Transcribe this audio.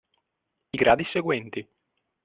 I gradi seguenti.